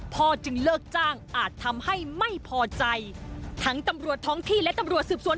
จึงเลิกจ้างอาจทำให้ไม่พอใจทั้งตำรวจท้องที่และตำรวจสืบสวน